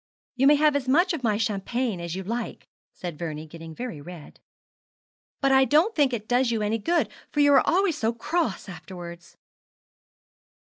'You may have as much of my champagne as you like,' said Vernie, getting very red; 'but I don't think it does you any good, for you are always so cross afterwards.'